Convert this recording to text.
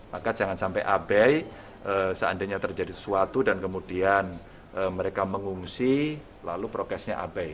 maka jangan sampai abai seandainya terjadi sesuatu dan kemudian mereka mengungsi lalu prokesnya abai